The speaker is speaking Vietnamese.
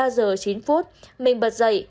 ba giờ chín phút mình bật dậy